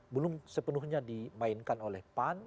belum sepenuhnya dimainkan oleh pan